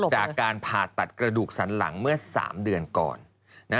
จากการผ่าตัดกระดูกสันหลังเมื่อ๓เดือนก่อน